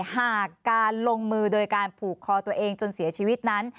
หากการลงมือโดยการผูกคอตัวเองจนเสียชีวิตนั้น